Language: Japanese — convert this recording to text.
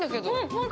◆本当？